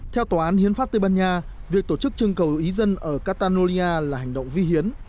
theo tòa án hiến pháp tây ban nha việc tổ chức chương cầu ý dân ở catanolia là hành động vi hiến